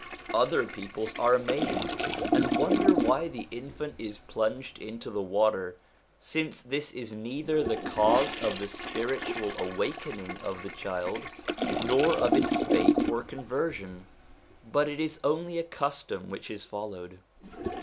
Other peoples are amazed, and wonder why the infant is plunged into the water, since this is neither the cause of the spiritual awakening of the child, nor of its faith or conversion ; but it is only a custom which is followed.